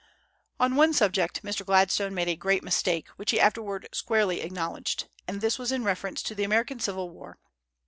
On one subject Mr. Gladstone made a great mistake, which he afterward squarely acknowledged, and this was in reference to the American civil war.